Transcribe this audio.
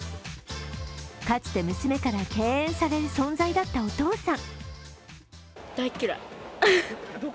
かつて、娘から敬遠される存在だったお父さん。